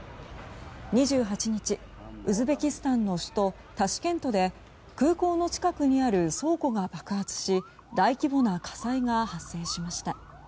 ２８日、ウズベキスタンの首都タシケントで空港の近くにある倉庫が爆発し大規模な火災が発生しました。